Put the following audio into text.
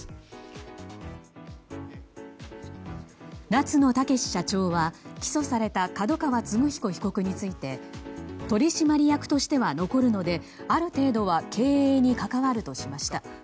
夏野剛社長は起訴された角川歴彦被告について取締役としては残るのである程度は経営に関わるとしました。